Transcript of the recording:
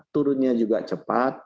turunnya juga cepat